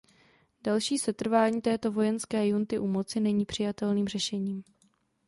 Další setrvání této vojenské junty u moci není přijatelným řešením.